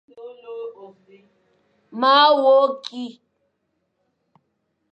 Maa wok ki.